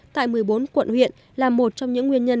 tại một mươi bốn quận huyện là một trong những nguyên nhân